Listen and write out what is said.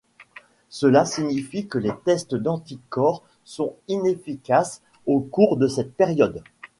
Cela signifie que les tests d'anticorps sont inefficaces au cours de cette période.